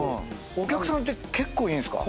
お客さんって結構いるんすか？